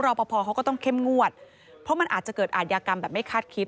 ปภเขาก็ต้องเข้มงวดเพราะมันอาจจะเกิดอาทยากรรมแบบไม่คาดคิด